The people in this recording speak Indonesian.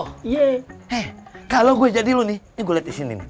hei kalau gue jadi lo nih nih gue liat di sini nih